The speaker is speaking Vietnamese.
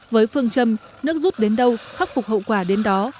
với phương châm nước rút đến đâu khắc phục hậu quả đến đó